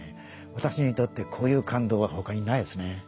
私にとってこういう感動は他にないですね。